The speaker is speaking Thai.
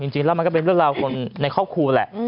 จริงแล้วมันก็เป็นเรื่องราวคนในครอบครัวแหละ